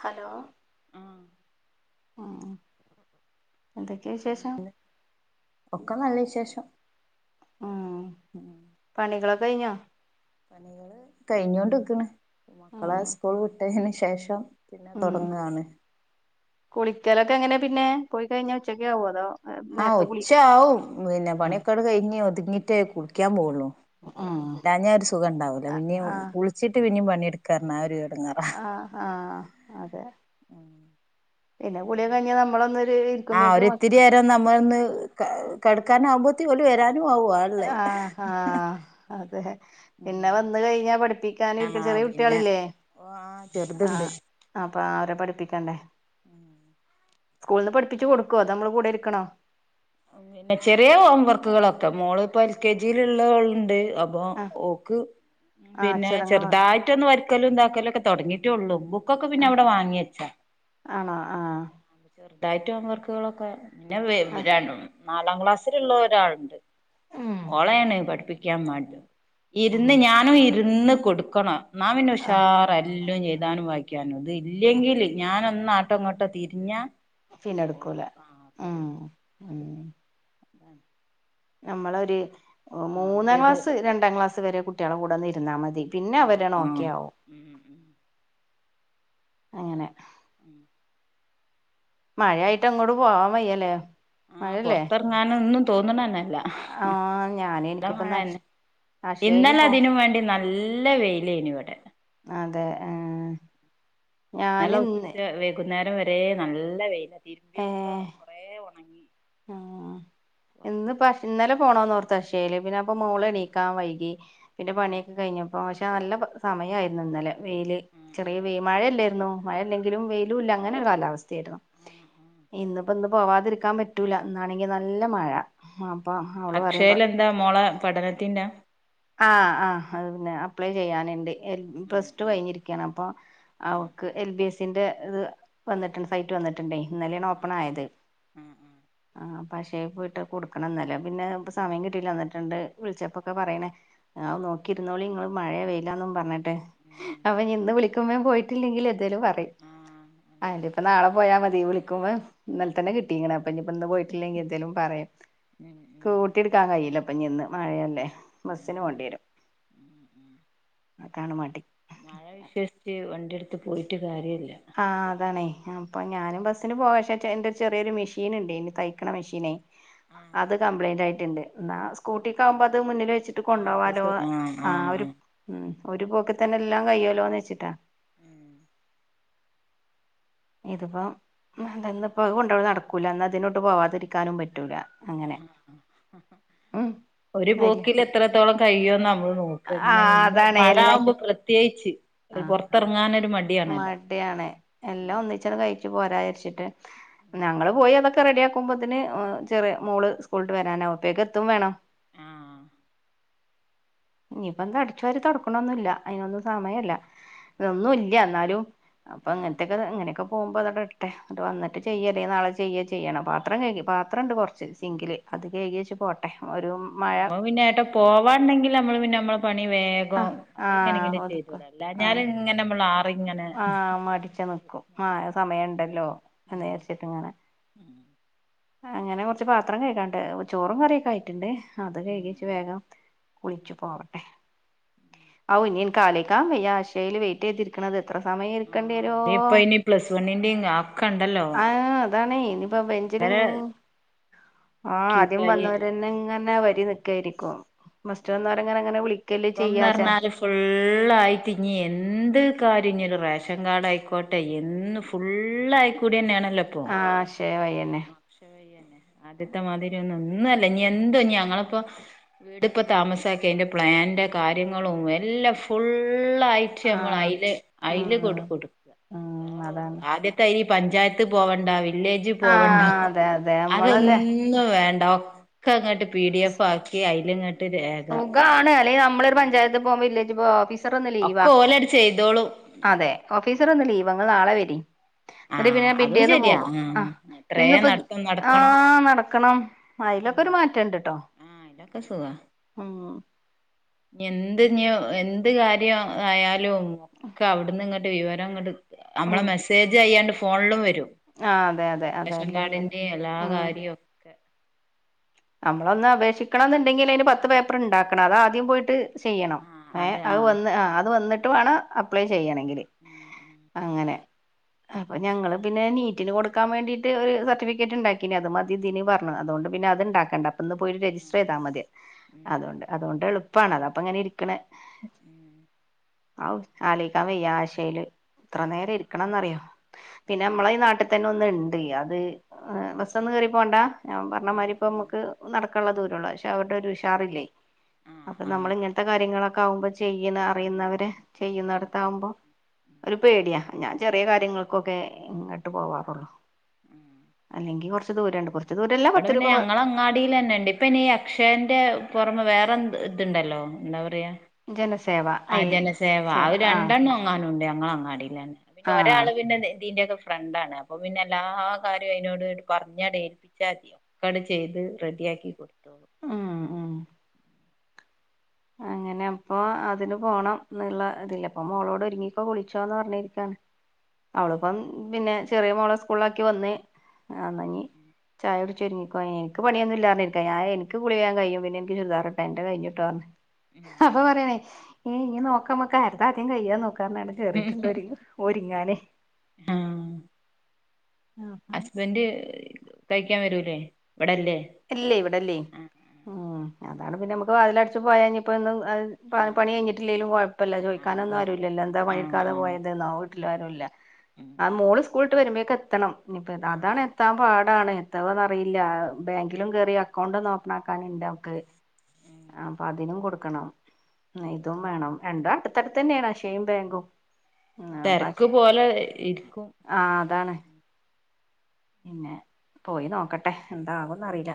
Hello [inaudible] ആഹ് ആ എന്തൊക്കെയ വിശേഷം ക്ക് നല്ല വിശേഷം ഉം പണികളൊക്കെ കഴിഞ്ഞോ പണികള് കഴിഞ്ഞോണ്ട്ക്ക്ണ് ഉം മക്കളെ സ്കൂൾ വിട്ടെനി ശേഷം പിന്നെ തൊടങ്ങാണ് ചിലൊക്കെ എങ്ങനാ പിന്നെ പോയിക്കഴിഞ്ഞാ ഉച്ചക്കാവോ അതോ ആഹ് നേരത്തെ കുളി ഉച്ചാവും പിന്നെ ഉം പണ്യൊക്കെങ്കട് കഴിഞ്ഞ് ഒതുക് ന്നിട്ടെ കുളിക്കാൻ പോവുള്ളു ഉം ല്ലാഞ്ഞാ ഒരു സുഖം ഉണ്ടാവൂല ആഹ് പിന്നും ആഹ് കുളിച്ചിട്ട് പിന്നും പണി നെടുക് [unintelligible] എടങ്ങേറാ ആഹ് ആഹ് അതെ പിന്നെ കുളിയൊക്കെ കഴിഞ്ഞാ നമ്മളൊന്നൊരു ആ ഇരിക്കുമ്പേക്ക് മക്ക ഒരിത്തിരേരം നമ്മൾ ഒന്ന് കെ കെടക്കാൻ ആകുമ്പോ [unintelligible] അ ആ അദ്ദേ പിന്നെ വന്ന് കഴിഞ്ഞാ പഠി പ്പിക്കാനിരുക്കും. ആഹ് ചെറിയ പിന്നെ കുട്ടികളില്ലേ? ആഹ് ആ ചെറുതുണ്ട് അപ്പൊ അവരെ പഠി ത്തിക്കണ്ടേ ഉം സ്കൂളീന്ന് പഠിപ്പിച്ച് കൊടുക്കോ? അതൊ നമ്മള് കൂടെയിരിക്കണോ? പിന്നെ ചെറിയ ഹോം വർക്ക്കളൊക്കെ മോള് ഇപ്പോ എൽ കെ ജിൽ ഉള്ളോള്ണ്ട് അപ്പൊ ആഹ് ഓക്ക് ആഹ് പിന്നെ അക്ഷരങ്ങള് ചെറുതായിട്ടൊന്ന് വര് ക്കലൊണ്ടക്കലൊക്കെ തെടങ്ങിട്ടേയൊള്ളൂ. ബു ക്കൊക്കെ പിന്നെ ആഹ് അവിടെ വാങ്ങിവെച്ചാ ആണോ ആഹ് [unintelligible] ഡയറ്റ്ഹോവർക്കുകളൊക്കെ പിന്നെ വേവ് രണ്ടു നാലാം ക്ലാസ്സിലുള്ള ഒരാളുണ്ട് ഉം ഓളേനേ പഠിപ്പി ക്യാൻ മട് ഇരുന്ന് ഉം ഞാനും ഇരു ന്ന് കൊടുക്കണോ ന്നാ പിന്നെ ആ ഉഷാറെല്ലോംഞ്ഞെഴുതാനും വായി ക്കാനോം ഇതില്ലെങ്കില് ഞനൊ ന്നാട്ടോങ്ങോട്ടോ തിരിഞ്ഞാ ഓള് പിന്നെയെടുക്കൂല ആ ഉം കളി ഉം നമ്മളൊര് ഓ ആ മൂന്നാം ഒരിത് ക്ലാസ്സ് രണ്ടാം ക്ലാസ്സ്‌ വരെ കുട്ടികളെ കൂടൊന്ന് ഇരുന്നാ മതി. പിന്നെ ആഹ് അവരെ ഓക്കെ ആഹ് ആവും ഉം ഉം അങ്ങനെ- ഉം മഴയായിട്ട് എങ്ങോട് പോകാൻ വയ്യല്ലേ? ആഹ് മഴല്ലേ പൊറത്തെറങ്ങാനൊന്നും- തോന്നുണന്നെ- ഇല്ല ആഹ് ഞാന് നല്ല മഴ എനിക്കിപ്പ തന്നെ അക്ഷയേല് പോ ഇന്നലെയതിനും വേണ്ടി നല്ല നല്ല വെയിലേനേനിവടെ- അതെ ആഹ് നല്ല ഉച്ച വേഗു ന്നേരം വരെ നല്ല വെയില ഇരിമ്പിയൊക്കെ ഏഹ് കെറെയൊണങ്ങി- ആഹ് എന്ന് പ ഇന്നലെ പോണം തശേല പിന്നെ ഇപ്പ മോള് ഉം എണ്ണിക്കാൻ വൈകി പിന്നെ പണിയൊക്കെ കഴിഞ്ഞപ്പോ പക്ഷ നല്ല സമയമായിരുന്നു ഇന്നലെ വെയില് ഉം ഉം ഉം ചെറിയ വെ മഴയല്ലായിുന്നോ മഴല്ലെങ്കിലും വെയിലും ഇല്ല അങ്ങനെ ഒരു കാലാവസ്ഥ ആഹ് ആഹ് ഇന്ന്പ്പോ എ പോവാതിരിക്കാൻ പറ്റൂല എന്നന്നാണെങ്കിൽ നല്ല മഴ അപ്പൊ അവള് പറയുമ്പോ അക്ഷയല എന്താ മോളെ പഠനത്തിന്റെ ആഹ് ആ് അത് പിന്നെ അപ്ലൈ ചെയ്യാന എറെ എൽ പ്ലസ് ടു ആഹ് വഴിഞ്ഞിരിക്കുകയാണ് അപ്പൊ ആഹ് അവക്ക് എൽ ബി എസ് സിന്റെ ഇത് വന്നിട്ടുണ്ട് സൈറ്റ് വന്നിട്ടുണ്ടേ ഇന്നലെയാണ് ആഹ് ആഹ് ഓപ്പൺ ആഹ് ആയത് ആ പക്ഷേ പോയിട്ട് കൊടുക്കണം ഇന്നലെ പിന്നെ ഇപ്പ ആഹ് ആഹ് ആഹ് ഉം സമയംകിട്ടില്ലാഹ് ണ്ട് വിളിച്ചപ്പൊക്കെ പറയണെ ആ് നോക്കിരുന്നോളി നിങ്ങള് മഴയ പെയില്ലന്നും പറഞ്ഞിട്ട് ഉം അവൻ ഇന്ന് ള പോയിട്ടില്ലെങ്കിൽ എന്തേലും പറയും ആഹ് അതിന്റെ ഇപ്പ നാളെ പോയാൽ മതി വിളിക്കുമ്പോ ഇന്നലെ തന്നെ കിട്ടിങ്ങ പ്പനി ഇപ്പൊന്ന് പോയിട്ടില്ലെങ്കിൽ എന്തേലും പറം ഉം ഉം കൂട്ടി എടുക്കാൻ കഴിയില്ല അപ്പൊ നിന്ന് മഴയല്ലേ ബസ്സിന് പോണ്ടി വരും അതാണ് മടി മഴ വിശ്വസിച്ച് വണ്ടിയ എടു അ പോയിട്ട് കാര്യം ആഹ അതാണേ അപ്പൊ ഞാനും ബസ്സിന് പോകേഷ എന്റെ ഒരു ചെറിയൊരു മെഷീൻുണ്ട് ഇനി തയ്ക്കണ മെഷീനെ ആഹ് അത് കംപ്ലൈന്റ് [unintelligible] സ്കൂട്ടിക്ക് ആകുമ്പോ അത് മുന്നിൽ വെച്ചിട്ട് അത് കൊണ്ടോവാലോ സു ആഹ് ആ ആഹ് ഒരു ആഹ് ഒരു പോക്കി തന്നെ എല്ലാം കയ്യോല്ലോന്ന് വെച്ചിട്ടാ ഉം ഇതിപ്പോ [unintelligible] ഇന്നിപ്പത് കൊണ്ടോകൽ നടക്കൂല എന്നാ അതിനോട്ട് പോവാതിരിക്കാനും പറ്റൂല അങ്ങനെ ഉം ഒരു വല്യ പോക്കിൽ എത്രത്തോളം കഴിയോന്ന് ആ ന അതാണ് മഴ എല്ലാം ആകുമ്പോ പ്രത്യേകിച്ച് ആ പുറ ത്തിറങ്ങാ [unintelligible] മടിയാണ് എല്ലാം ഒന്നിച്ചങ്ങട്ട് [unintelligible] പോര വിചാരിച്ചിട്ട് ഞങ്ങള് പോയി അതൊക്കെ റെഡിയാക്കുമ്പത്തിന് ചെറിയ മോള് സ്കൂളിട്ട് വരാനാവും അപ്പോഴേക്ക് എത്തും വേണം ആഹ് ഇനിയിപ്പൊ അടിച്ചു വാരി തൊടക്കണൊന്നും ഇല്ല. അതിനൊന്നും സമയല്ല ഇതൊന്നും ഇല്ല എന്നാലും അപ്പൊ ആഹ് അങ്ങനത്തൊക്കെ അങ്ങനെയൊക്കെ പോകുമ്പ അതങ്ങട്ട് ഇടട്ടെ അത് വന്നട്ട് ആഹ് ചെയ്യ അല്ലേ നാളെ ചെയ്യ ചെയ്യണം പാത്രം കഴുകി പാത്രം പാത്രം ഉണ്ട് കുറച്ച് സിങ്കില് അത് കഴുകി വെച്ച് പോട്ടെ ഒരു മഴ ഞമ്മള് പിന്നെ എങ്ങട്ടോ പോവാണ്ടെങ്കിൽ [unintelligible] പണി ആ വേഗം ആ അത്ങ്ങനെ ഇങ്ങനെ ചെയ്തോളും അല്ലാഞ്ഞാൽ ഇങ്ങനെ ഞമ്മള് ഹാ മടിച്ചു നിക്കും ആഹ സമയുണ്ടല്ലോ ഉം എന്ന് വിചാരിച്ചിട്ട് ഇങ്ങനെ ഉം അങ്ങനെ കുറച്ച് പാത്രം കഴുകാണ്ട്. ചോറും കറിയൊക്കെ ആയിട്ടുണ്ട് അത് ഉം കഴുകി വെച്ച് വേഗം കുളിച്ചു ഉം ഉം പോവട്ടെ. ഔ ഇനി എനിക്ക് ആലോയ്ക്കാൻ വയ്യ അക്ഷയീല്ല വെയിറ്റ് ചെയ്തിരിക്കണത് എത്ര സമയം ഇരിക്കേണ്ടി ആഹ് വരോ അവിടെ ഇപ്പൊ ഇനി പ്ലസ് വണ്ണിന്റെയും ഒക്കെ ഉണ്ടല്ലോ ആ അതാണ് ഇനിപ്പൊ [unintelligible] ആ ക്യൂ ആദ്യം ആയി വന്നവരന്നെ ഇങ്ങനെ വരിനിക്കാ [unintelligible] ഉ ഇപ്പംന്ന് ചെയ്യാച്ചാ പറഞ്ഞാല് ഫുള്ളായി തിങ്ങി എന്ത് എന്ത് കാര്യം ഞ്ഞി റേഷൻ കാർഡ് ആയിക്കോട്ടെ എന്ന് ഫുള് ആയിക്കൂടി തന്നെയാണ് അല്ലപ്പോ ആഹ് അക്ഷയ വഴിയന്നെ അക്ഷയ വഴി തന്നെ ആദ്യത്തെ മാതിരി ഒന്നും ഒന്നുംല്ല ഇനി എന്തോ ഞങ്ങളിപ്പോ വീടിപ്പൊ താമസാക്കി അതിന്റെ പ്ലാനിന്റെ കാര്യങ്ങളും എല്ലാം ഫുള്ള് ഫുള്ളായിട്ട് നമ്മൾ ആഹ് അയില് അയിലങ്ങട്ട് ഉം കൊടുക്കാ കൊടുക്കുക ഉം വേറ അതാണ് ആദ്യത്തെ ഈ പഞ്ചായത്ത് പോവണ്ടാ വില്ലേജി പോവണ്ട ആഹ് അതെ അതെ നമ്മളല്ലേ അതെന്നും വേണ്ട അങ്ങോട്ട് പി ഡി എഫ് ആക്കി [unintelligible] സുഖാണ് അല്ലെ നമ്മള് ഒരു പഞ്ചായത്ത് പോവും വില്ലേജ് പോവും [unintelligible] ഓഫീസർ ഇന്ന് ലീവാ ഒക്കെ ഓലട് ചെയ്തോളും അതേ ഓഫീസർ ഇന്ന്‌ ലീവാ നാളെ വെരി എന്നിട്ട് ആഹ് പിന്നെ അതും പിറ്റേന്ന് ശരിയാ പോകും ആ ആഹ് അത്രേ ഇന്നിപ്പോ നടത്തം ആ നടക്കണം നടക്കണം അതിലൊക്കെ ഒരു മാറ്റം ഇണ്ട് ട്ടോ ഉം [unintelligible] എന്ത് ഇനിയും എന്ത് കാര്യം ആയാലും ഒക്കെ അവിടുന്ന് ഇങ്ങോട്ട് വിവരം ഇങ്ങോട്ട് നമ്മളെ മെസ്സേജ് അയ്യാണ്ട് ഫോണിലും വരും ആ അതെ അതെ അതെ റേഷൻ എല്ലാം വരും കാർഡിന്റെ എല്ലാ ഉം കാര്യവും ഒക്കെ ഒന്ന് അപേക്ഷിക്കണ ങ്കിൽ അന് പത്ത് പേപ്പർ ഇണ്ടാക്കണം അത പോയിട്ട് ചെയ്യണം ആഹ് ഏ അത് ആഹ് വന്ന് ആ ഉം അത് വന്നിട്ട് വേണം അപ്ലൈ ചെയ്യണെങ്കില് അങ്ങനെ അപ്പൊ ഞങ്ങള് പിന്നെ നീറ്റിന് കൊടുക്കാൻ വേണ്ടീട്ട് ഒരു സർട്ടിഫിക്കറ്റ് ഉണ്ടാക്കീനി അത് മതി ഇനി പറഞ്ഞു അതുകൊണ്ട് പിന്നെ അത്ണ്ടാക്കി കണ്ട പോയിട്ട് ഉം രജിസ്റ്റർ ചെയ്താൽ മതി ഉം അതൊണ്ട് അതുകൊണ്ട് എ ഇപ്പണ അപ്പ അങ്ങനെരിക്കണെ ഉം ഔ ചാലിക്കാൻ വയ്യ ആശയില് ഇത്ര നേരം ഇരിക്കണംന്ന്റിയോ പിന്നെ നമ്മളെ ഈ നാട്ടിൽ തന്ന ഒന്ന ഇണ്ട് അത് ബസ് ഒന്ന കേറി പോണ്ട ആ ആഹ് ഉം ഉം അത് ആഹ് പറഞ്ഞമാതിരിപ്പ നടക്കുള്ള ദൂരമുള്ള പക്ഷെ അവരുടെ ഒരു ഉഷാറില്ലേ ആഹ് അപ്പൊ ആഹ് ആഹ് നമ്മൾ ഇങ്ങനത്തെ കാര്യങ്ങളൊക്കെ ആകുമ്പോ ചെയ്യുന്ന ആഹ് അറിയുന്നവര് ആഹ് അറിയുന്ന ആഹ് ചെയ്യുന്നിടത്താവുമ്പോ ഉം ഒരു പേടിയാ ഞാൻ ചെറിയ കാര്യങ്ങൾക്കൊക്കെ ഇങ്ങട്ട് പോവാറുള്ളു ഉം അല്ലെങ്കി കൊറച ച്ച് ദൂരെണ്ട് [unintelligible] പത്ത് രൂപ അടിലന്നെ ഇണ്ട് ഇപ്പ ഇനി അക്ഷയന്റെ പുറമേ വേറെ ഇതുണ്ടല്ലോ എന്താ പറയാ ജനസ് ആ ജനസേവ അവര് രണ്ടെണ്ണം എങ്ങാനും ഉണ്ട് ന ഇങ്ങളെ അങ്ങാടീന്ന് [unintelligible] പിന്നെ ആഹ് ഒരാള് പിന്നെ ഇതീന്റെക്കെ ഫ്രണ്ടാണ് അപ്പൊ പിന്നെ എല്ലാ കാര്യവും അയിനോട് പറഞ്ഞ [unintelligible] ചെയ്ത് റെഡിയാക്കി കൊടു [unintelligible] ഉം ഉം അങ്ങനെ അപ്പൊ അതിന് പോണം ന്ന്ള്ള ഇതിലാ ഇപ്പൊ മോളോട് ഒരുങ്ങിക്കോ കുളിച്ചോന്ന് പറഞ്ഞിരിക്കാണ് അവളിപ്പം ഉം പിന്നെ ചെറിയ മോളെ സ്കൂളിലാക്കി വന്ന് ആ ന്നാ ഞ്ഞി ചായുടി ഇജ്ജ് ഒരുങ്ങിക്കോ എന്ക്ക് പണിയൊന്നുംല്ലാന്ന് പറഞ്ഞിരിക്കാ ഞാൻ എനിക്ക് കുളി വേഗം കയും പിന്നെ എന്ക്ക് ചുരിദാറിട്ടാ എന്റെ കയിഞ്ഞിട്ടോ പർഞ്ഞ് ഉം ഹ അപ്പൊ പറയാണേ ഏ ഇനി നോക്ക നമുക്ക് ആരതാ ആദ്യം കയ്യാ നോക്കാ [unintelligible] ഉം ഉം കേറിട്ട് ഉം. ണ്ടോര് ഒര്ങ്ങാനെ ആ ഹസ്ബൻഡ് കഴിക്കാൻ വരൂലേ ഇവിടെല്ലേ ഇല്ലേ നാട്ടിൽ ഇവിടെല്ലേ ആ ഉം അതാണ് പിന്നെ നമുക്ക് വാതിലടച്ച് പോയാഞ്ഞ് ഇപ്പോ ഇന്ന് ആ അത് പണികഴിഞ്ഞിട്ടില്ലേലും കൊഴപ്പില്ല ആ ചോദിക്കാനൊന്നും കൊഴപ്പ ആരൂല്ലല്ലോ എന്താ ആ പണിയെടുക്കാതെ ആ പോയത്ന്നോ ട്ട് ല് ആരൂല്ല ഉം ആ ഉം. മോള് സ്കൂളിട്ട് വര്മ്പേ എത്തണം ഇനിപ്പോ ആ അതാണ് എത്താൻ പാടാണ് എത്താവുന്നറിയില്ല ബാങ്കിലും കേറി അക്കൗണ്ടൊന്നോപ്പണാക്കാനും ണ്ട് ഉം. അവക്ക് ആ അപ്പ തെരക്ക് പോലെ ഇരിക്കും ആ അതാണ് പിന്നെ പോയി നോക്കട്ടെ എന്താകുന്ന് അറിയില്ല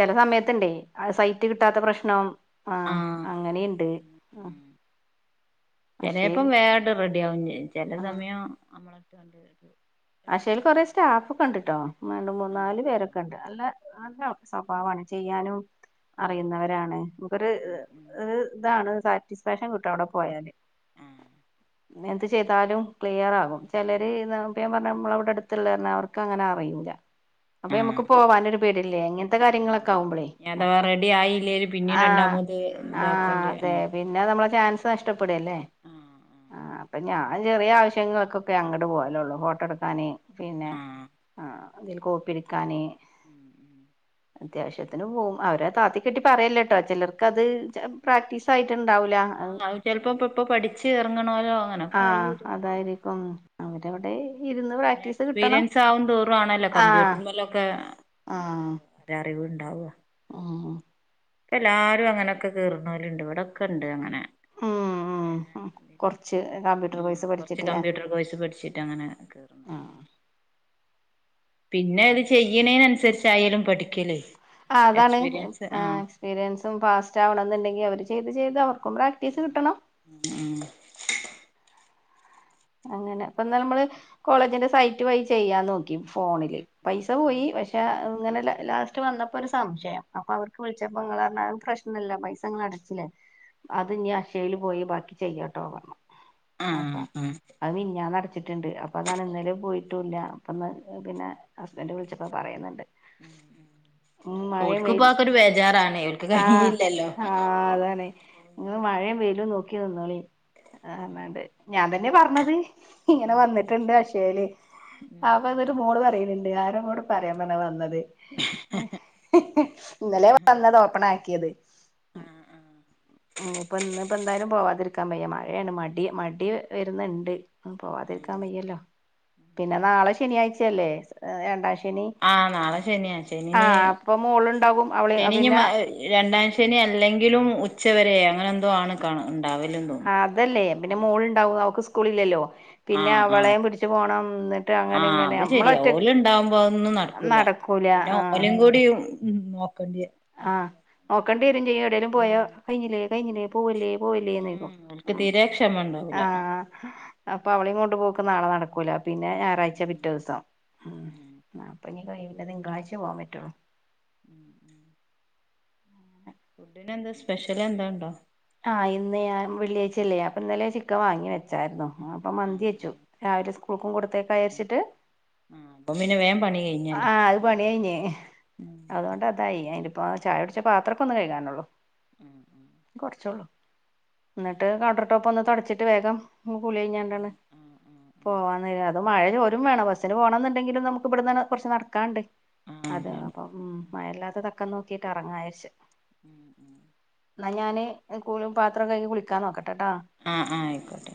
ചെല സമയത്ത് ഇണ്ടേ അത് സൈറ്റ് കിട്ടാത്ത പ്രശ്നം ആ ആഹ് അങ്ങനെയുണ്ട് ആഹ് ചെലേപ്പം അക്ഷേല് വേണ്ട് റെഡി [unintelligible] ചെല സമയം നമ്മള് [inaudible] ആക്ഷേൽ കൊറെ സ്റ്റാഫ്ക്കണ്ട് ട്ടോ രണ്ട് മൂന്നാല് ആഹ് ആഹ് പേരൊക്കെ ഉണ്ട് ആഹ് അല്ല നല്ല സൊബാവണെ ചെയ്യാനും ഓഹ് അറിയുന്നവരാണ് ഇവര് ഉം ഉം ഒരു ഇതാണ് സാറ്റിസ്ഫാക്ഷൻ കിട്ട അവിടെ പോയല് ആഹ് എന്ത് ചെയ്താലും ക്ലിയർ ആകും ഉം ഉം ചിലര് പറ നമ്മളവിടെ അടുത്തുള്ള അവർക്ക് അങ്ങനെ അറിയില്ല അപ്പൊ നമുക്ക് ആഹ് പോവാനൊരു പേടിയാ ലേ ഇങ്ങനത്തെ ആഹ് കാര്യങ്ങളൊക്കെ ആകുമ്പോഴേ ഇനി മക്ക അഥവാ റെഡി ആയില്ലേല് ആ പിന്നിം രണ്ടാമത് ആ ഇതാക്കണ്ടി അതെ ആഹ് പിന്നെ നമ്മളെ ചാൻസ് ഷ്ടം പ്പടേല്ലേ ആഹ് ആഹ് ആ അപ്പ ഞാൻ ചെറിയ ആവശ്യങ്ങൾക്കൊക്കെ അങ്ങട്ട് പോവലുള്ളൂ വോട്ടടുത്താനെ പിന്നെ ആഹ് ആ അതിൽ കോപ്പി എടുക്കാന് ഉം ഉം അത്യാവശ്യത്തിന് പോകും അവരെ താത്തി കെട്ടി പറയല്ലട്ടോ ചിലർക്ക് അത് പ്രാക്ടീസ് ആയി ആ അയ് ചിലപ്പോ ഇപ്പപ്പ്പൊ പഠിച്ച് ഇറങ്ങണോല്ലോ അങ്ങനെ ആഹ് അതായിരിക്കും അവരവിടെ ഇരുന്ന് ഒരു പ്രാക്ടീസ് കിട്ടണം എക്സ്പീരിയൻസ് ആവുന്തോറും ആണല്ലോ ആഹ് കമ്പ്യൂട്ടറിൻമേലൊക്കെ ഒരു അറിവു ഉണ്ടാവുക ഉണ്ടാവോ ആ ഇപ്പൊ എല്ലാരും അങ്ങനെയൊക്കെ കേറുന്നൊല് ഇണ്ട് ഇവിടൊക്കെ ഉണ്ട് അങ്ങനെ ഉം ഉം കൊറച്ച് കമ്പ്യൂട്ടർ ആ കോഴ്സ് കൊറച്ച് പഠിച്ചിട്ടില്ലേ കമ്പ്യൂട്ടർ കോഴ്സ് പഠിച്ചിട്ടങ്ങനെ കേറുന്നോര് ആഹ് പിന്നെ അത് ചെയ്യണേന് അനുസരിച്ചായാലും പഠിക്കലേ ആ അതാണ് എക്സ്പീരിയൻസ് ആഹ് എക്സ്പീരിയൻസും ഫാസ്റ്റ് ആവണന്നുണ്ടെങ്കി അവര് ചെയ്ത് അത് ചെയ്തവർ പ്പം പ്രാക്ടീസ് കിട്ടണം ഉം അങ്ങനെ അപ്പൊ ന്നാ നമ്മള് കോളേജിന്റെ സൈറ്റ് വഴി ചെയ്യാ തോന്നുന്നു ഫോണില് പൈസ ഉം പോയി പക്ഷെ ഇന്നലെ ലാസ്റ്റ് വന്നപ്പോ ഒരു സംശയം അപ്പൊ അവക്ക് വിളിച്ചപ്പോ അവര് പറഞ്ഞു അത് പ്രശ്നില്ലൃ പൈസ നിങ്ങള് അടച്ചില്ലേ അത് ഇനി അക്ഷയയില് പോയി ബാക്കി ചെയ്യാട്ടോ പറഞ്ഞു ആ ആ ഞാൻ അടച്ചിട്ടുണ്ട് അപ്പോൾ അതാണ് ഇന്നലെ പോയിട്ടൂല്ലാ അപ്പന്ന് പിന്നെ ഹസ്ബൻഡ് വിളിച്ചപ്പോ പറയുന്നുണ്ട് ഉം മഴയും ഓൽക്ക് പ്പോ വെയിലും അക്കൊരു ബേജാറാണേ ഓൽക്ക് കഴയില്ലല്ലോ ഇങ്ങ മഴയും വെയ്ലും നോക്കി നിന്നോളീൻ ഉം ഞാൻ തന്നെയാ പറഞ്ഞത് [unintelligible] ഇങ്ങനെ ഉം വന്നിട്ടുണ്ട് അക്ഷയേല് ആ അപ്പതൊട്ട് ഉം മോള് പറയണണ്ട് എല്ലാരും കൂടി പറയാൻ പറഞ്ഞാ വന്നത് ഇന്നലെ വന്നതോപ്പണായി ഏത് ആഹ് ആഹ് [unintelligible] ഉം ഇപ്പൊ ഇന്ന് ഇപ്പ എന്തായാലും പോവാതിരിക്കാൻ വയ്യ മഴയാണ് മടി മടി വരുന്നുണ്ട് പോവാതിരിക്കാൻ ആഹ് വയ്യല്ലോ പിന്നെ നാളെ ശനിയാഴ്ച ല്ലേ രണ്ടാഴ്ച ആഹ് നാളെ ശനിയാ. ശനിഞ് അപ്പൊ മോളുണ്ടാകും അവള് ശനിഞ് പിന്നെ രണ്ടാം ശനി അല്ലെങ്കിലും ഉച് ച്ചവരെ അങ്ങനെ എന്തോ ആണ് കാണ് ഉണ്ടാവു ആ അതല്ലേ പിന്നെ മോളുണ്ടാവും. അവക്ക് സ്കൂ കൂളില്ലല്ലോ. പിന്നെ ആഹ് ആഹ് അവളേയും പിടിച്ച് പോണം. എന്നിട്ട് അങ്ങനെ ഇങ്ങനെ നമ്മള ഒറ്റ ന്നും നടക്കൂല. പിന്നെ ഓലയും കൂടി ഉം നോ ക്കൊണ്ടിയെ ഓ കണ് [unintelligible] എവിടേലും പോയാ കയിഞ്ഞില്ലേ? അയെങ്ങനെയാ പോവല്ലേ. പോവല്ലേന്ന് ചോദിക്കും. ഉം ഓൽക്ക് തീരെ ക്ഷമ ഉണ്ടാവൂല അപ്പോ അവളെങ്കൊണ്ട് പോക്ക് പ്പം നാളെ നടക്കൂല. പിന്നെ ഞായറാഴ്ച ഉം പിറ്റേ ദിവസം ഉം ആ ഇനി കയിയൂല. തിങ്കളാഴ്ചേ പോവാൻ പറ്റുള്ളൂ. ഉം ഉം ഫുഡിനെന്താ സ്പെഷ്യല് എന്തോ ഒണ്ടോ? അയിന്ന് ഞാൻ വെള്ളിയാഴ്ചല്ലേ അപ്പോ ഇന്നലെ ചിക്കൻ വാങ്ങി വെച്ചാരുന്നു. ആ അപ്പൊ ആഹ് മന്തിയെച്ചു ആഹ് രാവിലെ സ്കൂ ആഹ് [unintelligible] ആഹ് അപ്പൊ പിന്നെ വേഗം പണി [unintelligible] കഴിഞ്ഞല്ലോ ആഹ് അത് പണി കയിഞ്ഞ് അതുകൊണ്ട് അതായി. ഇപ്പ ചായയുടിച്ച പാത്ര ഇപ്പ ഒന്നു കഴിക്കാനുള്ളൂ. ഉം ഉം എന്നിട്ട് കണ്ടർ ടോപ്പ് ഒന്ന് തൊടച്ചിട്ട് വേഗം ഇപ്പൊ കുളി കഴിഞ്ഞാണ്ടാണ് പോവാന്നു വിചാരി അത് മഴ തോരും വേണം. ബസിന് പോണം എന്നുണ്ടെിലും നമുക്ക് ഇവിടന്ന് കുറച്ച് നടക്കാണ്ട്. ആഹ് അത് അതാണ് അപ്പം ഉം മഴയില്ലാത്ത തക്കം നോക്കിട്ട് എറങ്ങാരിച്ച് ഉം ഉം അത് ഞാനേ [unintelligible] കുളിക്കാൻ നോക്കട്ടെ ആഹ് ആഹ് ആയിക്കോട്ടെ.